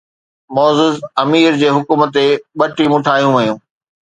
معزز امير جي حڪم تي ٻه ٽيمون ٺاهيون ويون.